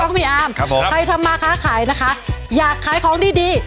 พี่ป้องพี่อามใครทำมาค้าขายนะคะอยากขายของดี